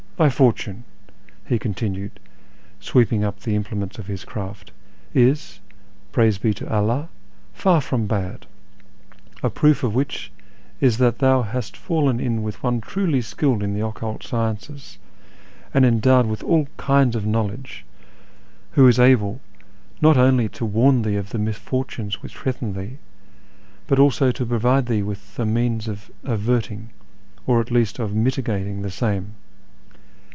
Thy fortune," he continued, sweeping up the implements of his craft, " is, praise be to Allah, far from bad ; a proof of which is that thou hast fallen in with one truly skilled in the occult sciences, and endowed with all kinds of knowledge, who is able not only to warn thee of the misfortunes which threaten thee, but also to provide thee with the means of averting, or at least of mitigating, the same.